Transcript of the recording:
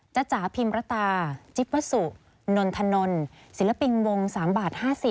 จ๋าพิมรตาจิ๊บวสุนนทนนศิลปินวง๓บาท๕๐